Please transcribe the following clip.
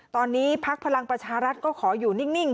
ตอนนี้พักพลังประชารัฐก็ขออยู่นิ่ง